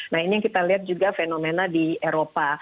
nah ini yang kita lihat juga fenomena di eropa